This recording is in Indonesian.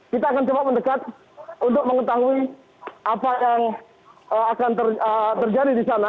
kita akan coba mendekat untuk mengetahui apa yang akan terjadi di sana